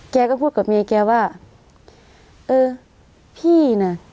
แกก็พูดกับเมียแกว่าเออพี่น่ะ